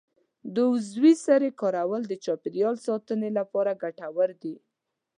د عضوي سرې کارول د چاپیریال ساتنې لپاره ګټور دي.